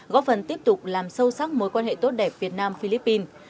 góp phần tiếp tục làm sâu sắc mối quan hệ tốt đẹp việt nam philippines